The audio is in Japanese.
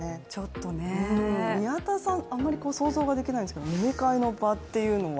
宮田さん、余り想像ができないんですけれども飲みの場というのは？